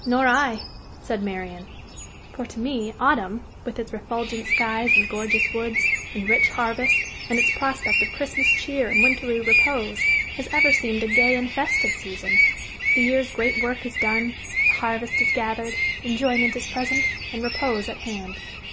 '" "Nor I," said Marian; "for to me, autumn, with its refulgent skies, and gorgeous woods, and rich harvest, and its prospect of Christmas cheer and wintry repose has ever seemed a gay and festive season. The year's great work is done, the harvest is gathered, enjoyment is present, and repose at hand."